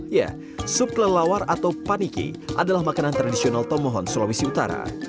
ya sup kelelawar atau paniki adalah makanan tradisional tomohon sulawesi utara